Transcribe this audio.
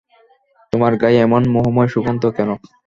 তোমার গায়ে এমন মোহময় সুগন্ধ কেন!